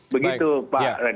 begitu pak ren